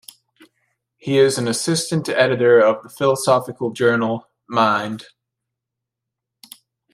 He is an assistant editor of the philosophical journal "Mind".